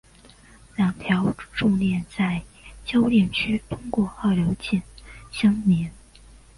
两条重链在铰链区通过二硫键相连。